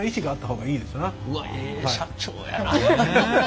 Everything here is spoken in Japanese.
うわっええ社長やな。